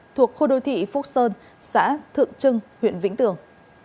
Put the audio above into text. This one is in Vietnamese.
thuộc khu đô thị phúc sơn xã thượng trưng huyện vĩnh tường